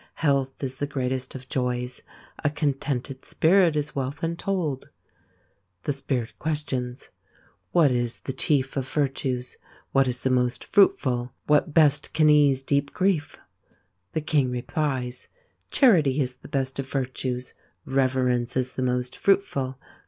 Health is the greatest of joys. A contented spirit is wealth untold. The Spirit questions : What is the chief of virtues ? Which is the most fruitful ? What best can ease deep grief ? The King replies : Charity is the best of virtues. Reverence is the 'most fruitful.